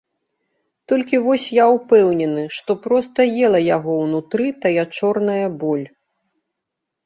Толькі вось я ўпэўнены, што проста ела яго ўнутры тая чорная боль.